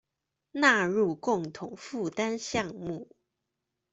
納入共同負擔項目